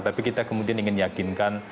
tapi kita kemudian ingin meyakinkan